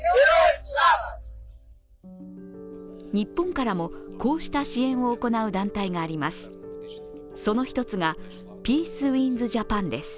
日本からもこうした支援を行う団体があります。